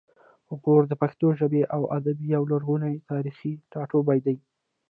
غور د پښتو ژبې او ادب یو لرغونی او تاریخي ټاټوبی دی